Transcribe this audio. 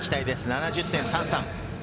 ７０．３３。